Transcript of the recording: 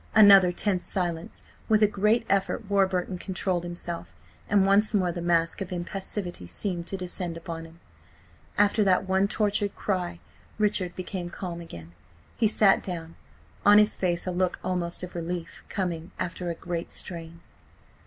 Another tense silence. With a great effort Warburton controlled himself, and once more the mask of impassivity seemed to descend upon him. After that one tortured cry Richard became calm again. He sat down; on his face a look almost of relief, coming after a great strain.